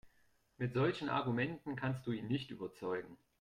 Mit solchen Argumenten kannst du ihn nicht überzeugen.